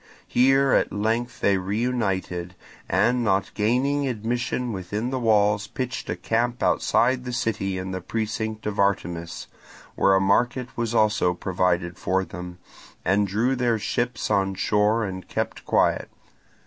Here at length they reunited, and not gaining admission within the walls pitched a camp outside the city in the precinct of Artemis, where a market was also provided for them, and drew their ships on shore and kept quiet.